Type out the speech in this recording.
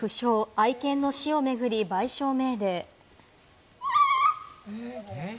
愛犬の死を巡り、賠償命令。